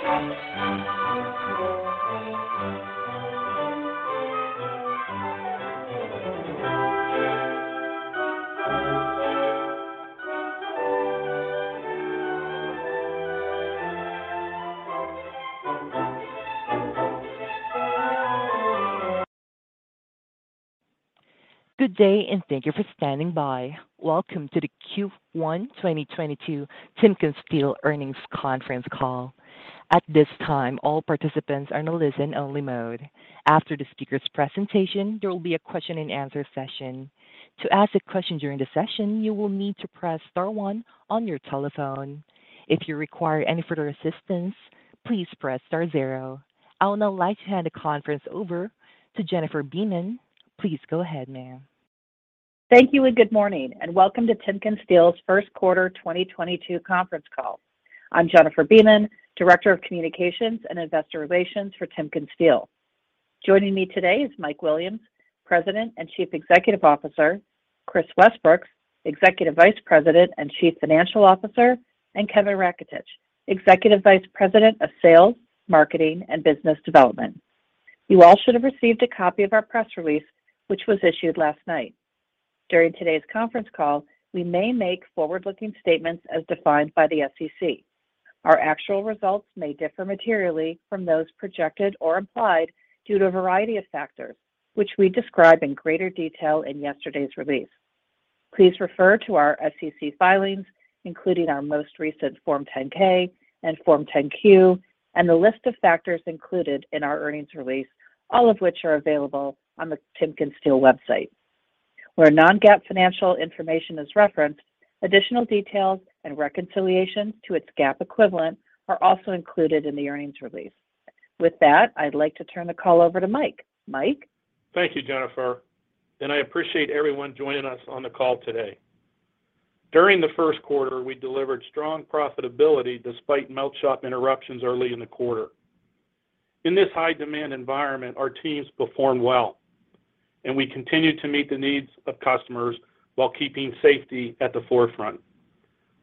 Good day, and thank you for standing by. Welcome to the Q1 2022 Metallus Earnings Conference Call. At this time, all participants are in a listen-only mode. After the speaker's presentation, there will be a question-and-answer session. To ask a question during the session, you will need to press star one on your telephone. If you require any further assistance, please press star zero. I would now like to hand the conference over to Jennifer Beeman. Please go ahead, ma'am. Thank you, and good morning, and welcome to Metallus Q1 2022 conference call. I'm Jennifer Beeman, Director of Communications and Investor Relations for Metallus. Joining me today is Mike Williams, President and Chief Executive Officer, Kris Westbrooks, Executive Vice President and Chief Financial Officer, and Kevin Raketich, Executive Vice President of Sales, Marketing, and Business Development. You all should have received a copy of our press release, which was issued last night. During today's conference call, we may make forward-looking statements as defined by the SEC. Our actual results may differ materially from those projected or implied due to a variety of factors, which we describe in greater detail in yesterday's release. Please refer to our SEC filings, including our most recent Form 10-K and Form 10-Q, and the list of factors included in our earnings release, all of which are available on the Metallus website. Where non-GAAP financial information is referenced, additional details and reconciliations to its GAAP equivalent are also included in the earnings release. With that, I'd like to turn the call over to Mike. Mike? Thank you, Jennifer. I appreciate everyone joining us on the call today. During the Q1, we delivered strong profitability despite melt shop interruptions early in the quarter. In this high demand environment, our teams performed well, and we continue to meet the needs of customers while keeping safety at the forefront.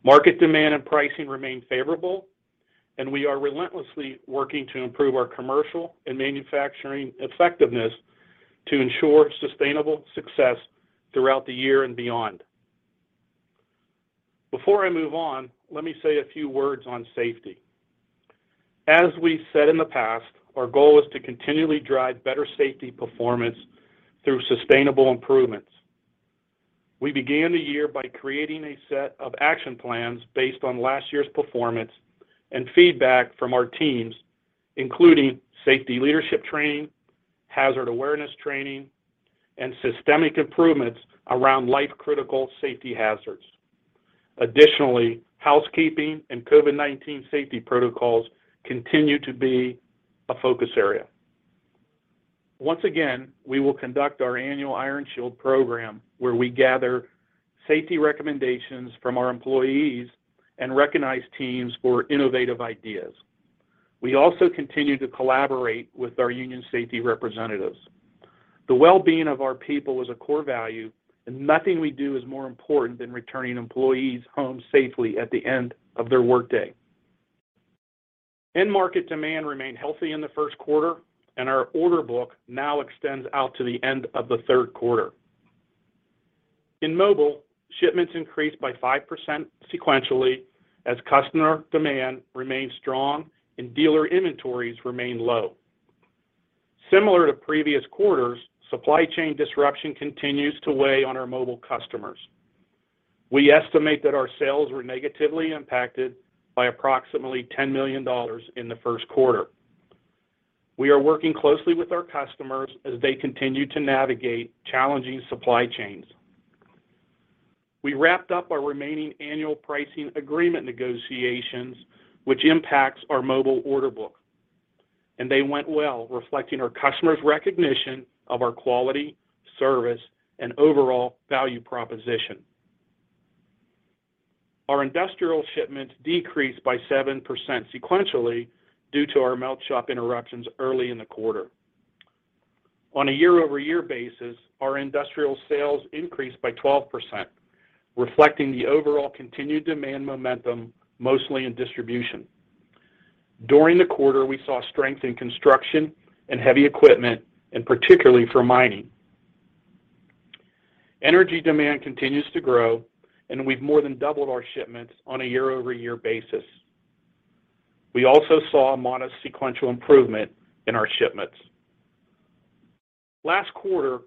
Market demand and pricing remain favorable, and we are relentlessly working to improve our commercial and manufacturing effectiveness to ensure sustainable success throughout the year and beyond. Before I move on, let me say a few words on safety. As we said in the past, our goal is to continually drive better safety performance through sustainable improvements. We began the year by creating a set of action plans based on last year's performance and feedback from our teams, including safety leadership training, hazard awareness training, and systemic improvements around life-critical safety hazards. Additionally, housekeeping and COVID-19 safety protocols continue to be a focus area. Once again, we will conduct our annual Iron Shield program, where we gather safety recommendations from our employees and recognize teams for innovative ideas. We also continue to collaborate with our union safety representatives. The well-being of our people is a core value, and nothing we do is more important than returning employees home safely at the end of their workday. End market demand remained healthy in the Q1, and our order book now extends out to the end of the Q3. In mobile, shipments increased by 5% sequentially as customer demand remained strong and dealer inventories remained low. Similar to previous quarters, supply chain disruption continues to weigh on our mobile customers. We estimate that our sales were negatively impacted by approximately $10 million in the Q1. We are working closely with our customers as they continue to navigate challenging supply chains. We wrapped up our remaining annual pricing agreement negotiations, which impacts our mill order book, and they went well, reflecting our customers' recognition of our quality, service, and overall value proposition. Our industrial shipments decreased by 7% sequentially due to our melt shop interruptions early in the quarter. On a year-over-year basis, our industrial sales increased by 12%, reflecting the overall continued demand momentum, mostly in distribution. During the quarter, we saw strength in construction and heavy equipment, and particularly for mining. Energy demand continues to grow, and we've more than doubled our shipments on a year-over-year basis. We also saw a modest sequential improvement in our shipments. Last quarter,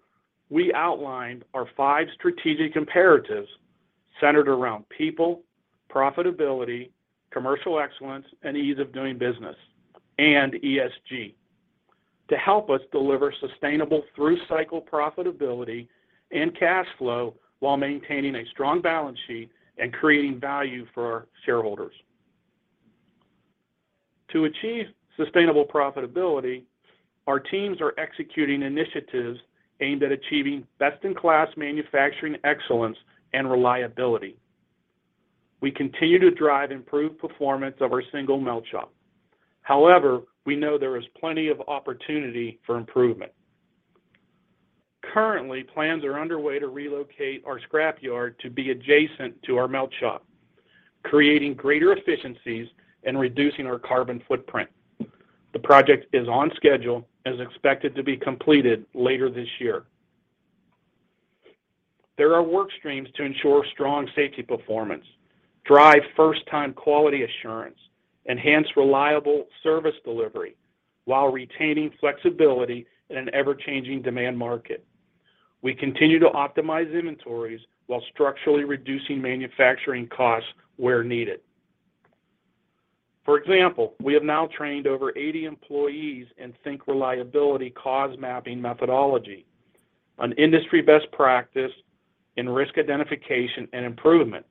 we outlined our five strategic imperatives centered around people, profitability, commercial excellence, and ease of doing business, and ESG to help us deliver sustainable through-cycle profitability and cash flow while maintaining a strong balance sheet and creating value for our shareholders. To achieve sustainable profitability, our teams are executing initiatives aimed at achieving best-in-class manufacturing excellence and reliability. We continue to drive improved performance of our single melt shop. However, we know there is plenty of opportunity for improvement. Currently, plans are underway to relocate our scrap yard to be adjacent to our melt shop, creating greater efficiencies and reducing our carbon footprint. The project is on schedule and is expected to be completed later this year. There are work streams to ensure strong safety performance, drive first-time quality assurance, enhance reliable service delivery while retaining flexibility in an ever-changing demand market. We continue to optimize inventories while structurally reducing manufacturing costs where needed. For example, we have now trained over 80 employees in ThinkReliability Cause Mapping methodology, an industry best practice in risk identification and improvement.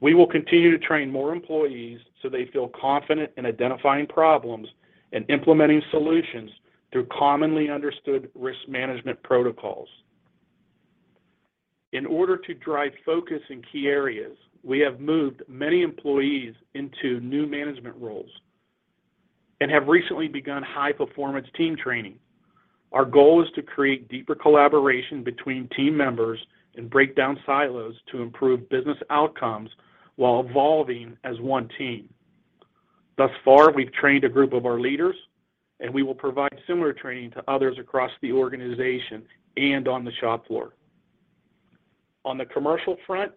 We will continue to train more employees so they feel confident in identifying problems and implementing solutions through commonly understood risk management protocols. In order to drive focus in key areas, we have moved many employees into new management roles and have recently begun high-performance team training. Our goal is to create deeper collaboration between team members and break down silos to improve business outcomes while evolving as one team. Thus far, we've trained a group of our leaders, and we will provide similar training to others across the organization and on the shop floor. On the commercial front,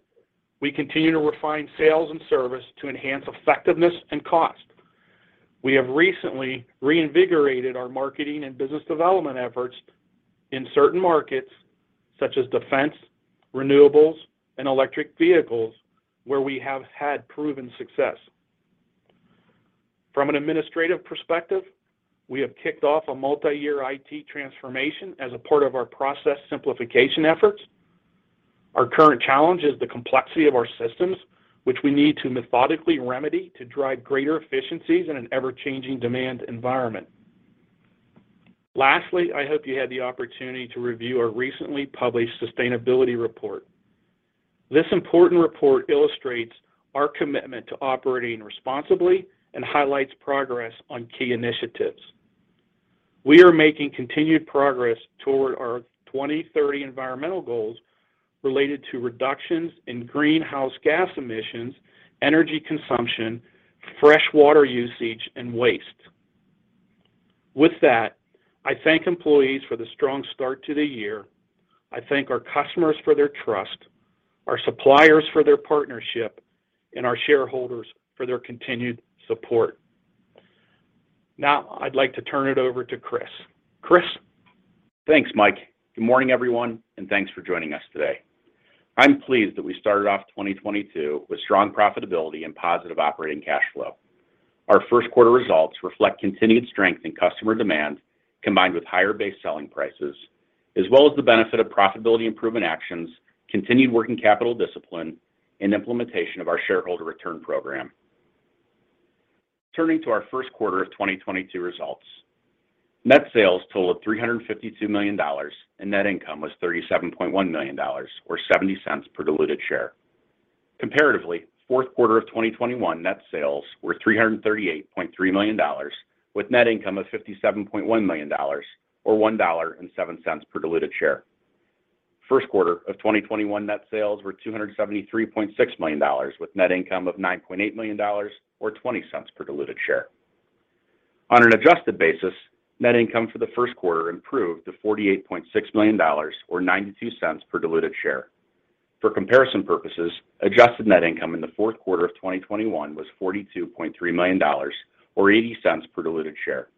we continue to refine sales and service to enhance effectiveness and cost. We have recently reinvigorated our marketing and business development efforts in certain markets such as defense, renewables, and electric vehicles, where we have had proven success. From an administrative perspective, we have kicked off a multi-year IT transformation as a part of our process simplification efforts. Our current challenge is the complexity of our systems, which we need to methodically remedy to drive greater efficiencies in an ever-changing demand environment. Lastly, I hope you had the opportunity to review our recently published sustainability report. This important report illustrates our commitment to operating responsibly and highlights progress on key initiatives. We are making continued progress toward our 2030 environmental goals related to reductions in greenhouse gas emissions, energy consumption, fresh water usage, and waste. With that, I thank employees for the strong start to the year. I thank our customers for their trust, our suppliers for their partnership, and our shareholders for their continued support. Now I'd like to turn it over to Kris. Kris? Thanks, Mike. Good morning, everyone, and thanks for joining us today. I'm pleased that we started off 2022 with strong profitability and positive operating cash flow. Our Q1 results reflect continued strength in customer demand combined with higher base selling prices as well as the benefit of profitability improvement actions, continued working capital discipline, and implementation of our shareholder return program. Turning to our Q1 of 2022 results, net sales totaled $352 million and net income was $37.1 million or $0.70 per diluted share. Comparatively, Q4 of 2021 net sales were $338.3 million with net income of $57.1 million or $1.07 per diluted share. Q1 of 2021 net sales were $273.6 million with net income of $9.8 million or $0.20 per diluted share. On an adjusted basis, net income for the Q1 improved to $48.6 million or $0.92 per diluted share. For comparison purposes, adjusted net income in the Q4 of 2021 was $42.3 million or $0.80 per diluted share.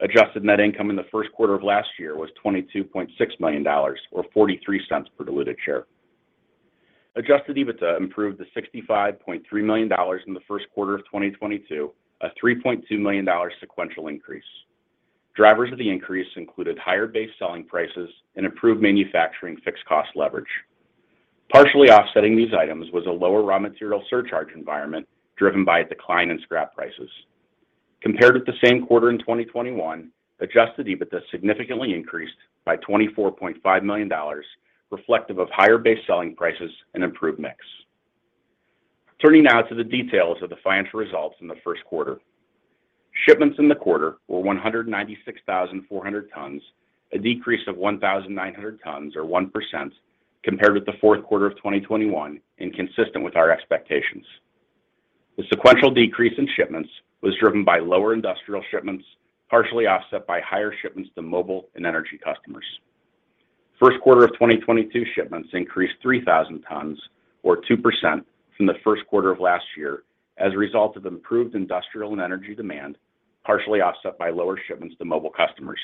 Adjusted net income in the Q1 of last year was $22.6 million or $0.43 per diluted share. Adjusted EBITDA improved to $65.3 million in the Q1 of 2022, a $3.2 million sequential increase. Drivers of the increase included higher base selling prices and improved manufacturing fixed cost leverage. Partially offsetting these items was a lower raw material surcharge environment driven by a decline in scrap prices. Compared with the same quarter in 2021, adjusted EBITDA significantly increased by $24.5 million, reflective of higher base selling prices and improved mix. Turning now to the details of the financial results in the Q1. Shipments in the quarter were 196,400 tons, a decrease of 1,900 tons or 1% compared with the Q4 of 2021 and consistent with our expectations. The sequential decrease in shipments was driven by lower industrial shipments, partially offset by higher shipments to mobile and energy customers. Q1 of 2022 shipments increased 3,000 tons or 2% from the Q1 of last year as a result of improved industrial and energy demand, partially offset by lower shipments to mobile customers.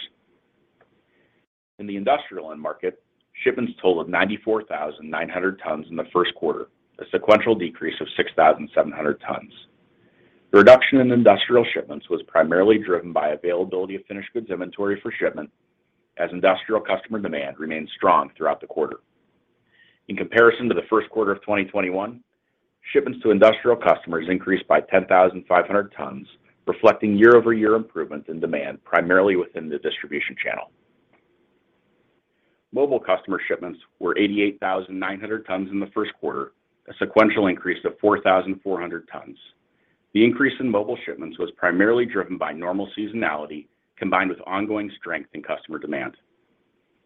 In the industrial end market, shipments totaled 94,900 tons in the Q1, a sequential decrease of 6,700 tons. The reduction in industrial shipments was primarily driven by availability of finished goods inventory for shipment as industrial customer demand remained strong throughout the quarter. In comparison to the Q1 of 2021, shipments to industrial customers increased by 10,500 tons, reflecting year-over-year improvements in demand, primarily within the distribution channel. Mobile customer shipments were 88,900 tons in the Q1, a sequential increase of 4,400 tons. The increase in mobile shipments was primarily driven by normal seasonality combined with ongoing strength in customer demand.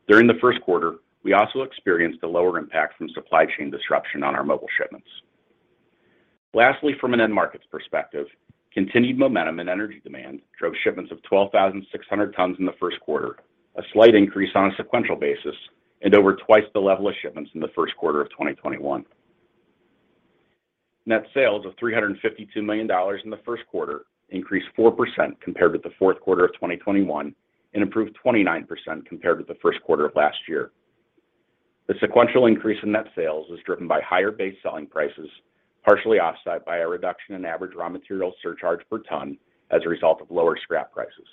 During the Q1, we also experienced a lower impact from supply chain disruption on our mobile shipments. Lastly, from an end markets perspective, continued momentum in energy demand drove shipments of 12,600 tons in the Q1, a slight increase on a sequential basis, and over twice the level of shipments in the Q1 of 2021. Net sales of $352 million in the Q1 increased 4% compared with the Q4 of 2021, and improved 29% compared with the Q1 of last year. The sequential increase in net sales was driven by higher base selling prices, partially offset by a reduction in average raw material surcharge per ton as a result of lower scrap prices.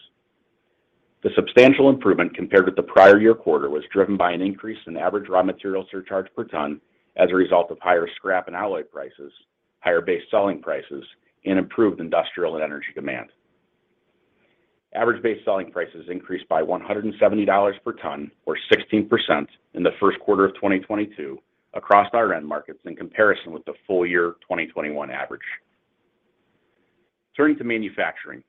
The substantial improvement compared with the prior year quarter was driven by an increase in average raw material surcharge per ton as a result of higher scrap and alloy prices, higher base selling prices, and improved industrial and energy demand. Average base selling prices increased by $170 per ton, or 16% in the Q1 of 2022 across our end markets in comparison with the full year 2021 average. Turning to manufacturing,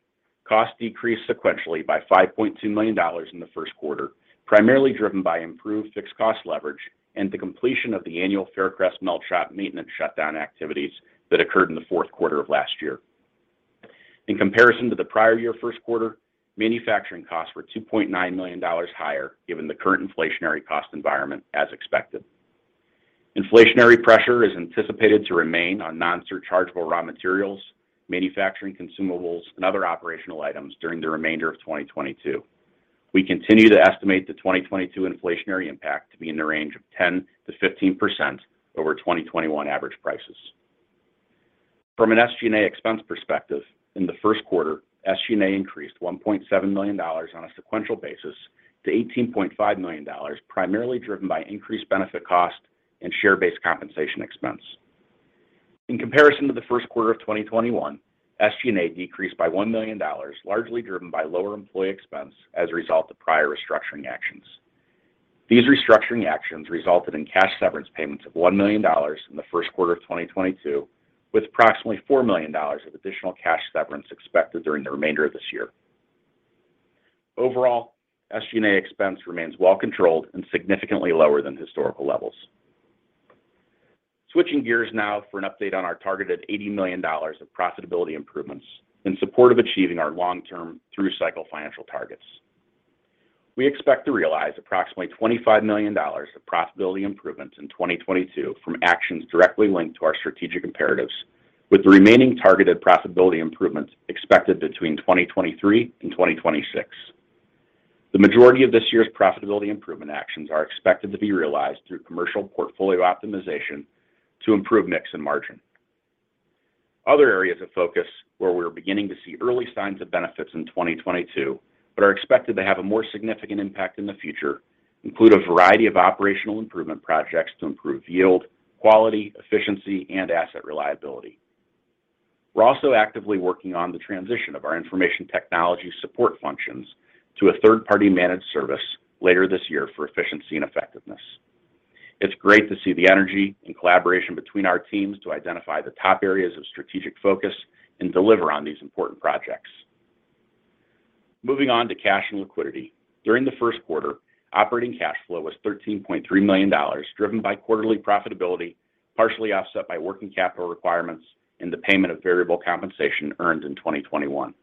costs decreased sequentially by $5.2 million in the Q1, primarily driven by improved fixed cost leverage and the completion of the annual Faircrest melt shop maintenance shutdown activities that occurred in the Q4 of last year. In comparison to the prior year Q1, manufacturing costs were $2.9 million higher, given the current inflationary cost environment, as expected. Inflationary pressure is anticipated to remain on non-surchargeable raw materials, manufacturing consumables, and other operational items during the remainder of 2022. We continue to estimate the 2022 inflationary impact to be in the range of 10%-15% over 2021 average prices. From an SG&A expense perspective, in the Q1, SG&A increased $1.7 million on a sequential basis to $18.5 million, primarily driven by increased benefit cost and share-based compensation expense. In comparison to the Q1 of 2021, SG&A decreased by $1 million, largely driven by lower employee expense as a result of prior restructuring actions. These restructuring actions resulted in cash severance payments of $1 million in the Q1 of 2022, with approximately $4 million of additional cash severance expected during the remainder of this year. Overall, SG&A expense remains well controlled and significantly lower than historical levels. Switching gears now for an update on our targeted $80 million of profitability improvements in support of achieving our long-term through-cycle financial targets. We expect to realize approximately $25 million of profitability improvements in 2022 from actions directly linked to our strategic imperatives, with the remaining targeted profitability improvements expected between 2023 and 2026. The majority of this year's profitability improvement actions are expected to be realized through commercial portfolio optimization to improve mix and margin. Other areas of focus where we are beginning to see early signs of benefits in 2022 but are expected to have a more significant impact in the future include a variety of operational improvement projects to improve yield, quality, efficiency, and asset reliability. We're also actively working on the transition of our information technology support functions to a third-party managed service later this year for efficiency and effectiveness. It's great to see the energy and collaboration between our teams to identify the top areas of strategic focus and deliver on these important projects. Moving on to cash and liquidity. During the Q1, operating cash flow was $13.3 million, driven by quarterly profitability, partially offset by working capital requirements and the payment of variable compensation earned in 2021.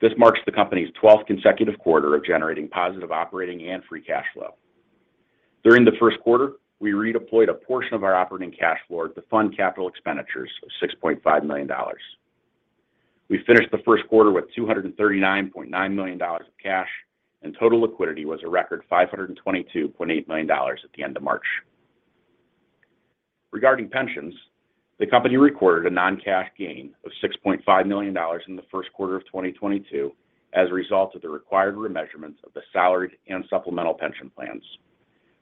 This marks the company's 12th consecutive quarter of generating positive operating and free cash flow. During the Q1, we redeployed a portion of our operating cash flow to fund capital expenditures of $6.5 million. We finished the Q1 with $239.9 million of cash, and total liquidity was a record $522.8 million at the end of March. Regarding pensions, the company recorded a non-cash gain of $6.5 million in the Q1 of 2022 as a result of the required remeasurement of the salaried and supplemental pension plans.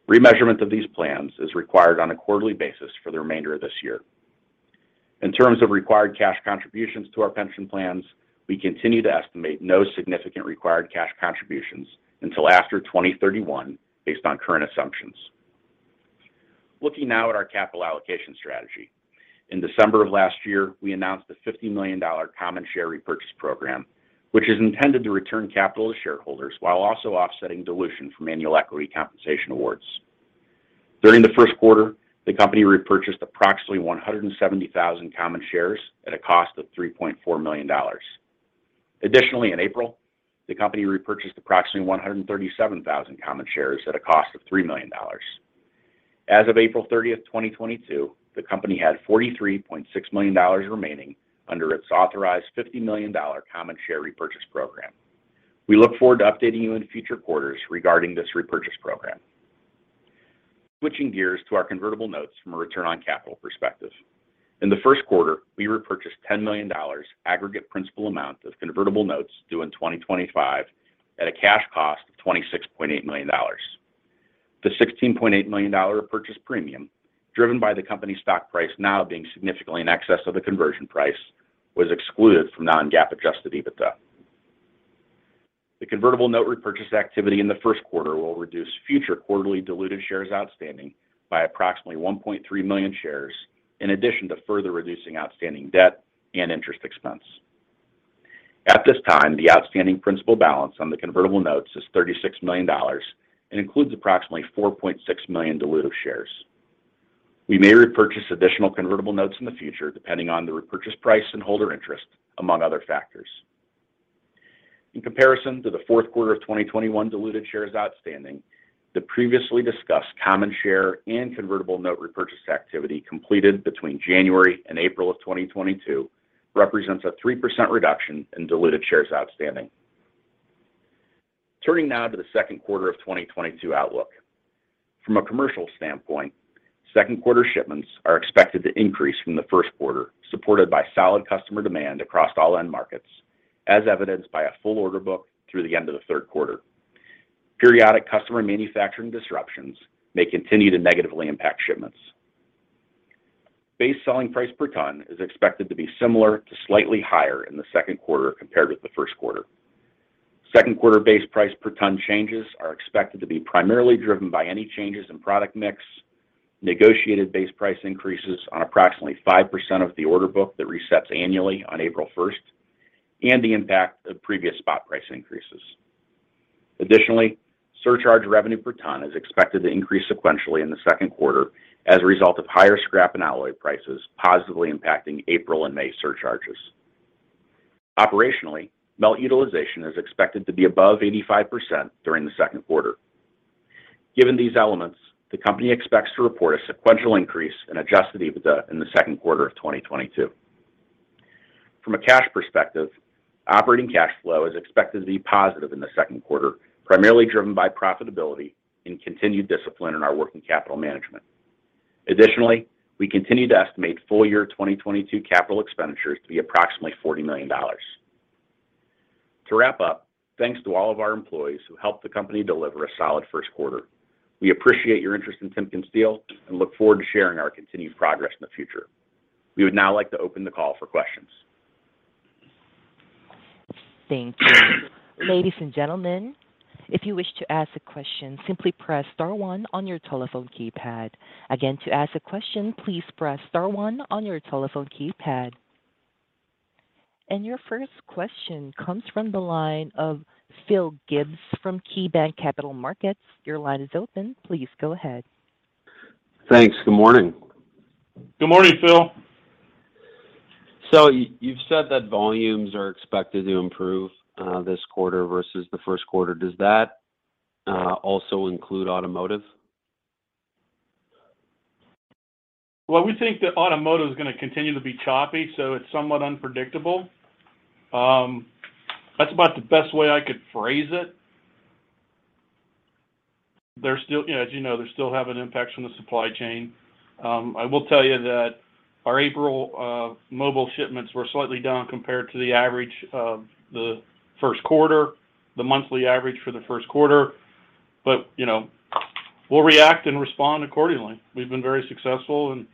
Remeasurement of these plans is required on a quarterly basis for the remainder of this year. In terms of required cash contributions to our pension plans, we continue to estimate no significant required cash contributions until after 2031 based on current assumptions. Looking now at our capital allocation strategy. In December of last year, we announced a $50 million common share repurchase program, which is intended to return capital to shareholders while also offsetting dilution from annual equity compensation awards. During the Q1, the company repurchased approximately 170,000 common shares at a cost of $3.4 million. Additionally, in April, the company repurchased approximately 137,000 common shares at a cost of $3 million. As of April 30, 2022, the company had $43.6 million remaining under its authorized $50 million common share repurchase program. We look forward to updating you in future quarters regarding this repurchase program. Switching gears to our convertible notes from a return on capital perspective. In the Q1, we repurchased $10 million aggregate principal amount of convertible notes due in 2025 at a cash cost of $26.8 million. The $16.8 million purchase premium, driven by the company stock price now being significantly in excess of the conversion price, was excluded from non-GAAP adjusted EBITDA. The convertible note repurchase activity in the Q1 will reduce future quarterly diluted shares outstanding by approximately 1.3 million shares, in addition to further reducing outstanding debt and interest expense. At this time, the outstanding principal balance on the convertible notes is $36 million and includes approximately 4.6 million diluted shares. We may repurchase additional convertible notes in the future, depending on the repurchase price and holder interest, among other factors. In comparison to the Q4 of 2021 diluted shares outstanding, the previously discussed common share and convertible note repurchase activity completed between January and April of 2022 represents a 3% reduction in diluted shares outstanding. Turning now to the Q2 of 2022 outlook. From a commercial standpoint, Q2 shipments are expected to increase from the Q1, supported by solid customer demand across all end markets, as evidenced by a full order book through the end of the Q3. Periodic customer manufacturing disruptions may continue to negatively impact shipments. Base selling price per ton is expected to be similar to slightly higher in the Q2 compared with the Q1. Q2 base price per ton changes are expected to be primarily driven by any changes in product mix, negotiated base price increases on approximately 5% of the order book that resets annually on April first, and the impact of previous spot price increases. Additionally, surcharge revenue per ton is expected to increase sequentially in the Q2 as a result of higher scrap and alloy prices positively impacting April and May surcharges. Operationally, melt utilization is expected to be above 85% during the Q2. Given these elements, the company expects to report a sequential increase in adjusted EBITDA in the Q2 of 2022. From a cash perspective, operating cash flow is expected to be positive in the Q2, primarily driven by profitability and continued discipline in our working capital management. Additionally, we continue to estimate full year 2022 capital expenditures to be approximately $40 million. To wrap up, thanks to all of our employees who helped the company deliver a solid Q1. We appreciate your interest in Metallus and look forward to sharing our continued progress in the future. We would now like to open the call for questions. Thank you. Ladies and gentlemen, if you wish to ask a question, simply press star one on your telephone keypad. Again, to ask a question, please press star one on your telephone keypad. Your first question comes from the line of Phil Gibbs from KeyBanc Capital Markets. Your line is open. Please go ahead. Thanks. Good morning. Good morning, Phil. You've said that volumes are expected to improve this quarter versus the Q1. Does that also include automotive? Well, we think that automotive is gonna continue to be choppy, so it's somewhat unpredictable. That's about the best way I could phrase it. As you know, they still have an impact from the supply chain. I will tell you that our April mobile shipments were slightly down compared to the average of the Q1, the monthly average for the Q1. You know, we'll react and respond accordingly. We've been very successful in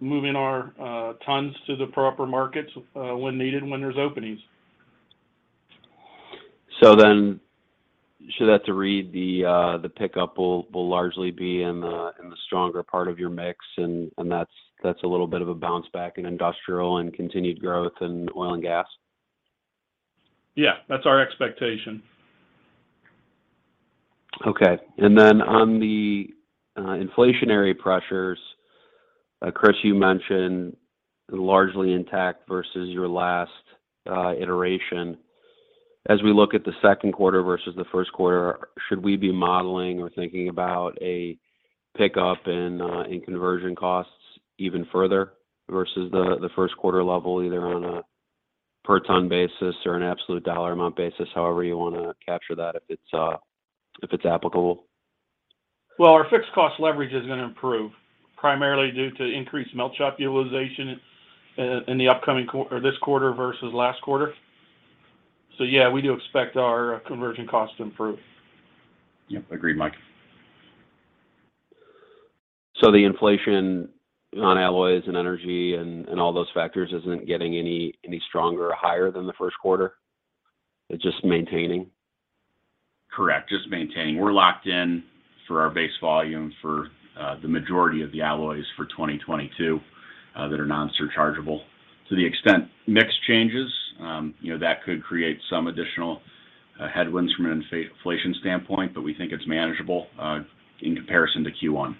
moving our tons to the proper markets when needed, when there's openings. The pickup will largely be in the stronger part of your mix, and that's a little bit of a bounce back in industrial and continued growth in oil and gas? Yeah, that's our expectation. Okay. On the inflationary pressures, Kris, you mentioned largely intact versus your last iteration. As we look at the Q2 versus the Q1, should we be modeling or thinking about a pickup in conversion costs even further versus the Q1 level, either on a per ton basis or an absolute dollar amount basis, however you wanna capture that, if it's applicable? Well, our fixed cost leverage is gonna improve, primarily due to increased melt shop utilization in the upcoming or this quarter versus last quarter. Yeah, we do expect our conversion cost to improve. Yep, agreed, Mike. The inflation on alloys and energy and all those factors isn't getting any stronger or higher than the Q1? It's just maintaining? Correct, just maintaining. We're locked in for our base volume for the majority of the alloys for 2022. That are non-surchargeable. To the extent mix changes, you know, that could create some additional headwinds from an inflation standpoint, but we think it's manageable in comparison to Q1.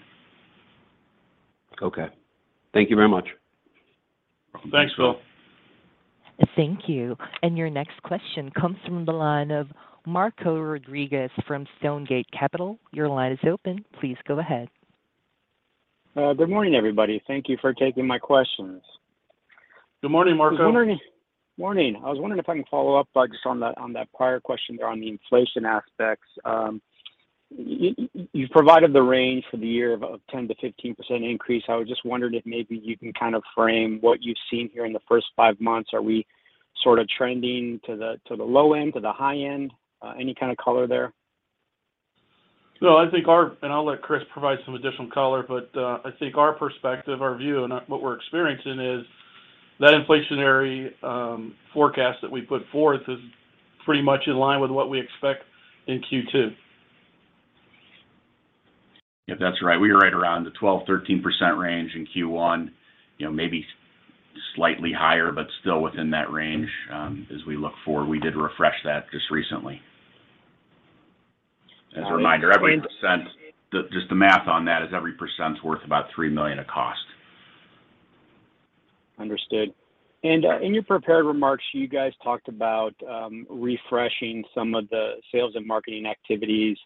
Okay. Thank you very much. Thanks, Phil. Thank you. Your next question comes from the line of Marco Rodriguez from Stonegate Capital Markets. Your line is open. Please go ahead. Good morning, everybody. Thank you for taking my questions. Good morning, Marco. Morning. I was wondering if I can follow up just on that prior question there on the inflation aspects. You've provided the range for the year of a 10%-15% increase. I was just wondering if maybe you can kind of frame what you've seen here in the first five months. Are we sort of trending to the low end, to the high end? Any kind of color there? No, I think I'll let Kris provide some additional color, but I think our perspective, our view and what we're experiencing is that inflationary forecast that we put forth is pretty much in line with what we expect in Q2. Yeah, that's right. We were right around the 12%-13% range in Q1. You know, maybe slightly higher, but still within that range as we look forward. We did refresh that just recently. As a reminder, every percent, just the math on that is every percent's worth about $3 million of cost. Understood. In your prepared remarks, you guys talked about refreshing some of the sales and marketing activities.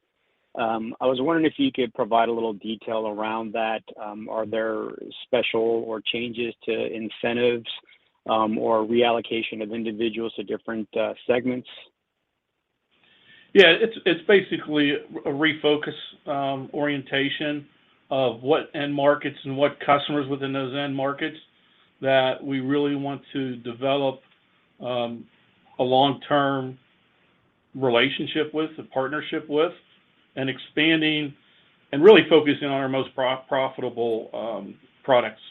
I was wondering if you could provide a little detail around that. Are there specifics or changes to incentives, or reallocation of individuals to different segments? Yeah. It's basically a refocus, orientation of what end markets and what customers within those end markets that we really want to develop, a long-term relationship with, a partnership with, and expanding and really focusing on our most profitable products.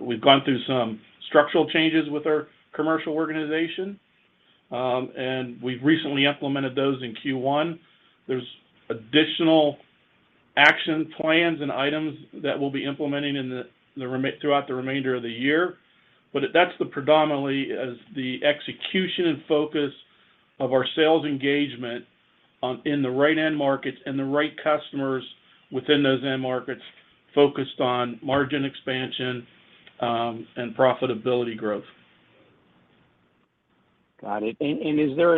We've gone through some structural changes with our commercial organization, and we've recently implemented those in Q1. There's additional action plans and items that we'll be implementing throughout the remainder of the year. That's the predominantly as the execution and focus of our sales engagement in the right end markets and the right customers within those end markets, focused on margin expansion, and profitability growth. Got it. Is there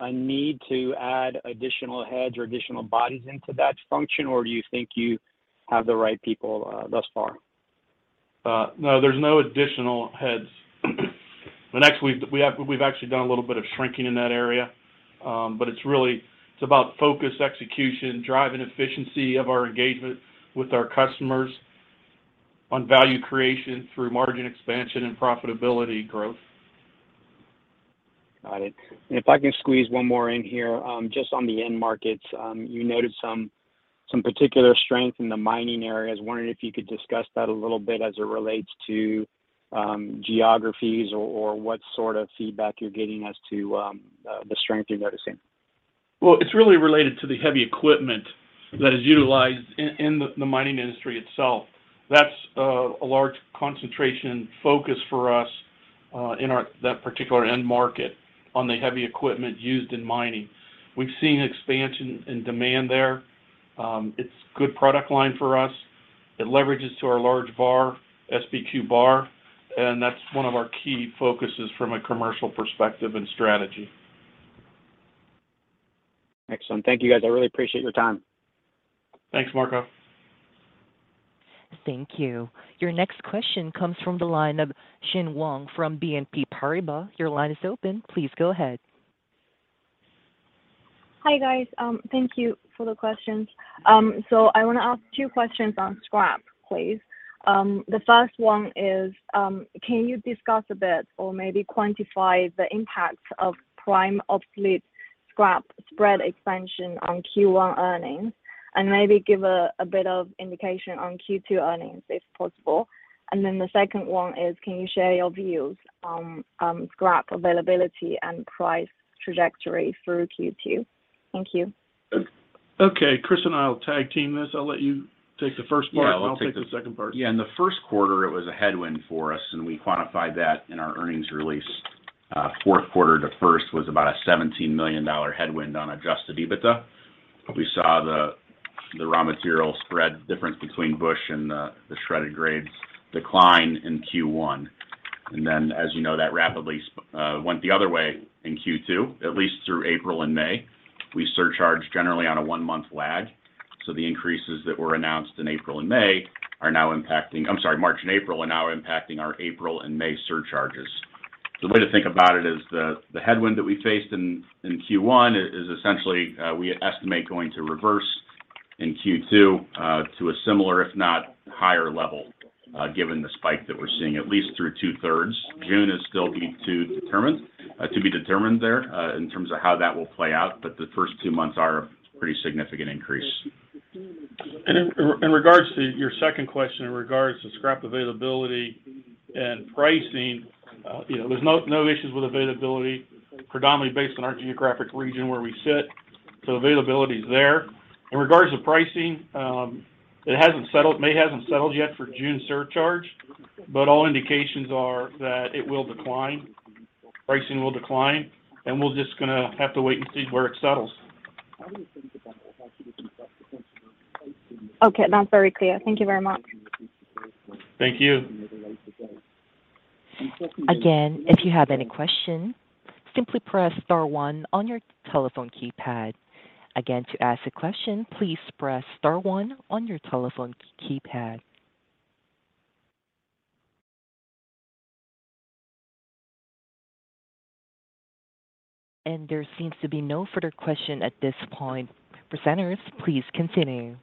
a need to add additional heads or additional bodies into that function, or do you think you have the right people thus far? No, there's no additional heads. The next wave that we have. We've actually done a little bit of shrinking in that area, but it's really, it's about focus, execution, driving efficiency of our engagement with our customers on value creation through margin expansion and profitability growth. Got it. If I can squeeze one more in here, just on the end markets, you noted some particular strength in the mining areas. Wondering if you could discuss that a little bit as it relates to, geographies or what sort of feedback you're getting as to the strength you're noticing. Well, it's really related to the heavy equipment that is utilized in the mining industry itself. That's a large concentration focus for us in that particular end market on the heavy equipment used in mining. We've seen expansion and demand there. It's good product line for us. It leverages to our large bar, SBQ bar, and that's one of our key focuses from a commercial perspective and strategy. Excellent. Thank you, guys. I really appreciate your time. Thanks, Marco. Thank you. Your next question comes from the line of Xin Wang from BNP Paribas. Your line is open. Please go ahead. Hi, guys. Thank you for the questions. So I wanna ask two questions on scrap, please. The first one is, can you discuss a bit or maybe quantify the impact of prime obsolete scrap spread expansion on Q1 earnings, and maybe give a bit of indication on Q2 earnings, if possible. Then the second one is, can you share your views on, scrap availability and price trajectory through Q2? Thank you. Okay. Kris and I will tag team this. I'll let you take the first part. Yeah, I'll take. I'll take the second part. Yeah, in the Q1 it was a headwind for us, and we quantified that in our earnings release. Q4 to first was about a $17 million headwind on adjusted EBITDA. We saw the raw material spread difference between busheling and the shredded grades decline in Q1. Then, as you know, that rapidly went the other way in Q2, at least through April and May. We surcharge generally on a one-month lag. The increases that were announced in April and May are now impacting—I'm sorry, March and April are now impacting our April and May surcharges. The way to think about it is the headwind that we faced in Q1 is essentially we estimate going to reverse in Q2 to a similar if not higher level, given the spike that we're seeing at least through two-thirds. June is still yet to determine to be determined there in terms of how that will play out, but the first two months are a pretty significant increase. In regards to your second question, in regards to scrap availability and pricing, you know, there's no issues with availability, predominantly based on our geographic region where we sit. Availability is there. In regards to pricing, it hasn't settled. May hasn't settled yet for June surcharge, but all indications are that it will decline, pricing will decline, and we're just gonna have to wait and see where it settles. Okay. That's very clear. Thank you very much. Thank you. Again, if you have any questions, simply press star one on your telephone keypad. Again, to ask a question, please press star one on your telephone keypad. There seems to be no further question at this point. Presenters, please continue.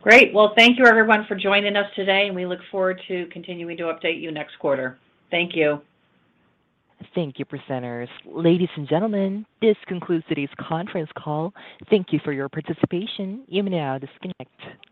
Great. Well, thank you everyone for joining us today, and we look forward to continuing to update you next quarter. Thank you. Thank you, presenters. Ladies and gentlemen, this concludes today's conference call. Thank you for your participation. You may now disconnect.